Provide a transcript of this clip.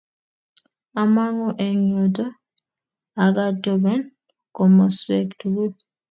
amangu eng yoto akatoben komoswek togul.